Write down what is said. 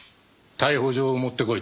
逮捕状を持ってこいと？